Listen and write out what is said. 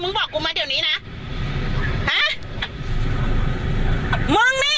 บอกกูมาเดี๋ยวนี้นะฮะมึงนี่